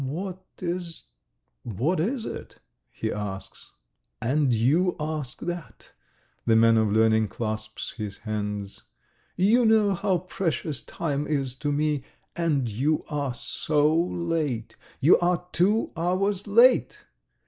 "What is ... what is it?" he asks. "And you ask that?" the man of learning clasps his hands. "You know how precious time is to me, and you are so late. You are two hours late!